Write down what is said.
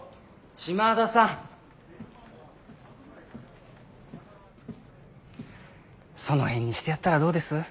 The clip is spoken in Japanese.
・嶋田さん・そのへんにしてやったらどうです？